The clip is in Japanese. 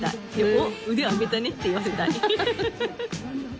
「おっ腕上げたね」って言わせたい。